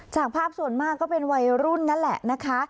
จากภาพส่วนมากก็เป็นวัยรุ่นนั่นแหละนะคะ